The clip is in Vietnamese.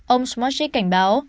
ông smocic cảnh báo